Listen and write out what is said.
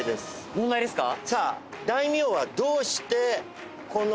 問題ですか。